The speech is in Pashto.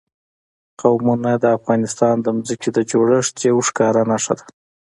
قومونه د افغانستان د ځمکې د جوړښت یوه ښکاره نښه ده.